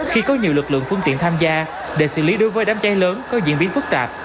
khi có nhiều lực lượng phương tiện tham gia để xử lý đối với đám cháy lớn có diễn biến phức tạp